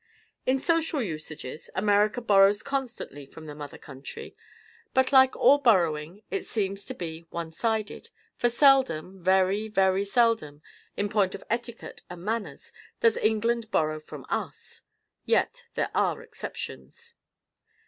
In social usages, America borrows constantly from the mother country. But like all borrowing it seems to be one sided, for seldom, very, very seldom, in point of etiquette and manners does England borrow from us. Yet there are exceptions.